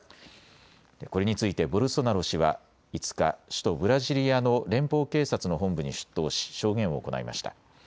これについてボルソナロ氏は５日、首都ブラジリアの連邦警察の本部に出頭し証言を行いました。